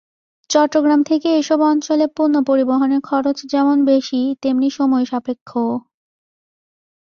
চট্টগ্রাম থেকে এসব অঞ্চলে পণ্য পরিবহনের খরচ যেমন বেশি, তেমনি সময়সাপেক্ষও।